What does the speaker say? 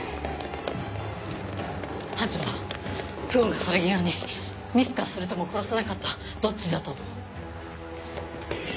班長久遠が去り際に「ミスかそれとも殺せなかったどっちだ？」と。